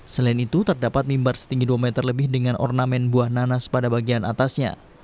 selain itu terdapat mimbar setinggi dua meter lebih dengan ornamen buah nanas pada bagian atasnya